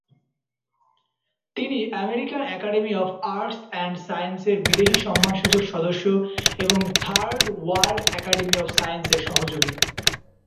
তিনি "American academy of arts and সায়েন্সেসের" বিদেশী সম্মানসূচক সদস্য এবং এবং "third world academy of science" এর সহযোগী।